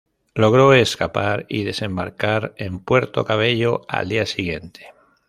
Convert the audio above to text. Logró escapar y desembarcar en Puerto Cabello al día siguiente.